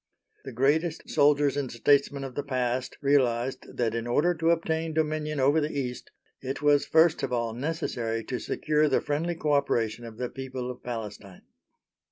The greatest soldiers and statesmen of the past realised that in order to obtain dominion over the East it was first of all necessary to secure the friendly co operation of the people of Palestine.